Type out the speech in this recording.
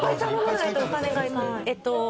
えっと。